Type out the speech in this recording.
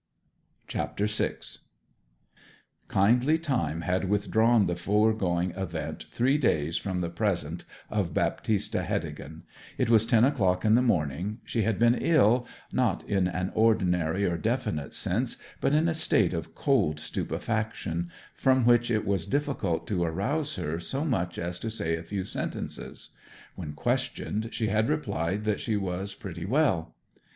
CHAPTER VI Kindly time had withdrawn the foregoing event three days from the present of Baptista Heddegan. It was ten o'clock in the morning; she had been ill, not in an ordinary or definite sense, but in a state of cold stupefaction, from which it was difficult to arouse her so much as to say a few sentences. When questioned she had replied that she was pretty well.